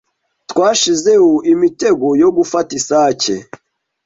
Twashizeho imitego yo gufata isake.